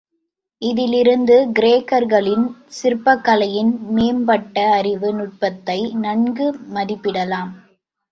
இதிலிருந்து கிரேக்கர்களின் சிற்பக்கலையின் மேம்பட்ட அறிவு நுட்பத்தை நன்கு மதிப்பிடலாம்.